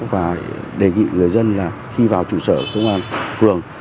và đề nghị người dân là khi vào trụ sở công an phường